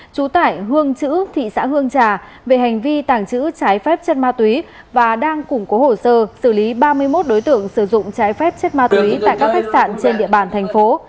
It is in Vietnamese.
trú tải hương chữ thị xã hương trà về hành vi tàng trữ trái phép chất ma túy và đang củng cố hồ sơ xử lý ba mươi một đối tượng sử dụng trái phép chất ma túy tại các khách sạn trên địa bàn thành phố